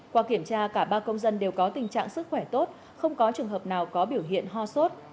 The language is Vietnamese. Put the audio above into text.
qua kiểm tra cả ba công dân đều có tình trạng sức khỏe tốt không có trường hợp nào có biểu hiện ho sốt